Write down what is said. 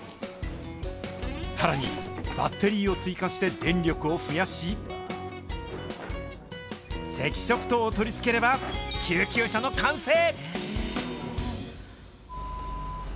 さらに、バッテリーを追加して、電力を増やし、赤色灯を取り付ければ、救急車の完成。